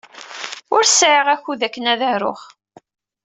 Ur sɛiɣ akud akken ad aruɣ.